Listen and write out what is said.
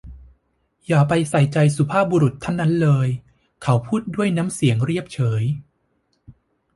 อย่าไปใส่ใจสุภาพบุรุษท่านนั้นเลย เขาพูดด้วยน้ำเสียงเรียบเฉย